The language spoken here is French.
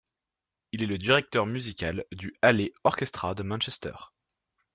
Il est le directeur musical du Hallé Orchestra de Manchester.